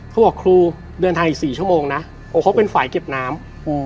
ครูบอกครูเดินทางอีก๔ชั่วโมงนะโอ้เขาเป็นฝ่ายเก็บน้ำ